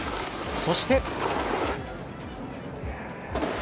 そして。